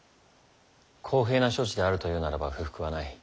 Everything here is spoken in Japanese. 公平な処置であるというならば不服はない。